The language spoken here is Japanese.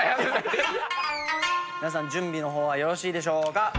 皆さん準備の方はよろしいでしょうか。